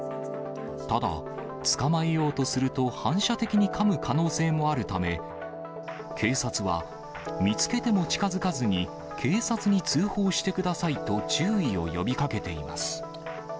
ただ、捕まえようとすると反射的にかむ可能性もあるため、警察は、見つけても近づかずに警察に通報してくださいと注意を呼びかけています。